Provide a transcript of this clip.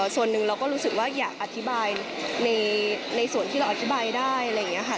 ส่วนหนึ่งเราก็รู้สึกว่าอยากอธิบายในส่วนที่เราอธิบายได้อะไรอย่างนี้ค่ะ